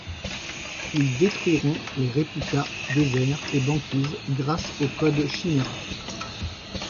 Ils détruiront les Réplikas Désert et Banquise grâce au code Chiméra.